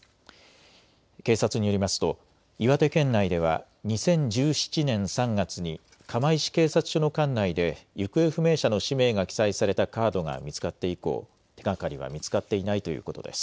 警察によりますと岩手県内では２０１７年３月に釜石警察署の管内で行方不明者の氏名が記載されたカードが見つかって以降、手がかりは見つかっていないということです。